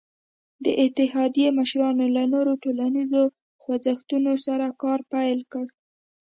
د اتحادیې مشرانو له نورو ټولنیزو خوځښتونو سره کار پیل کړ.